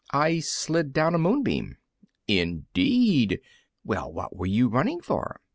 "I slid down a moonbeam." "Indeed! Well, what were you running for?"